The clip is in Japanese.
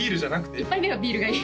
１杯目はビールがいい